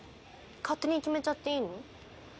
勝手に決めちゃっていいの？